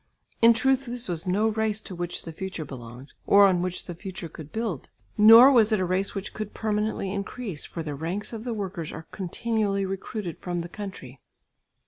In truth this was no race to which the future belonged, or on which the future could build; nor was it a race which could permanently increase, for the ranks of the workers are continually recruited from the country.